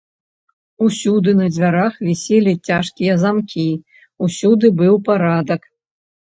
Усюды на дзвярах віселі цяжкія замкі, усюды быў парадак.